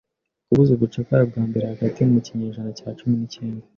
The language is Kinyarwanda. Kubuza ubucakara bwa mbere hagati mu kinyejana cya cumi n'icyenda.